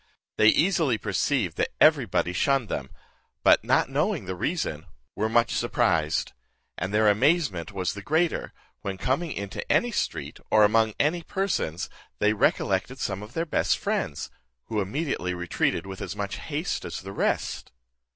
They easily perceived that every body shunned them; but not knowing the reason, were much surprised; and their amazement was the greater, when coming into any street, or among any persons, they recollected some of their best friends, who immediately retreated with as much haste as the rest.